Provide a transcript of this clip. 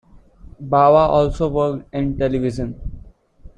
Bava also worked in television.